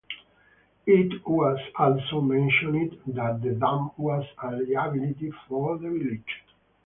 It was also mentioned that the dam was a liability for the village.